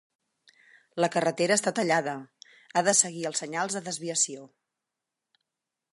La carretera està tallada. Ha de seguir els senyals de desviació.